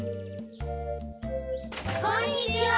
こんにちは！